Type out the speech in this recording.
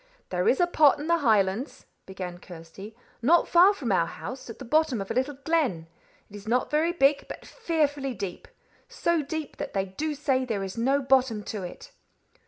"There is a pot in the Highlands," began Kirsty, "not far from our house, at the bottom of a little glen. It is not very big, but fearfully deep; so deep that they do say there is no bottom to it."